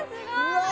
うわ！